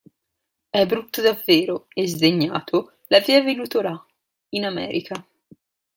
È brutto davvero e sdegnato l'aveva veduto là, in America.